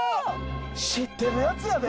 知ってるやつやで！